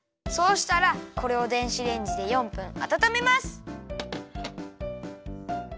そうしたらこれを電子レンジで４分あたためます。